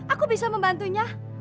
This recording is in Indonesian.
aku bisa membantunya